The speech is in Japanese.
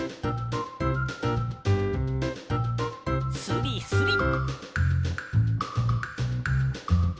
スリスリ。